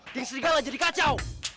ting serigala jadi kacau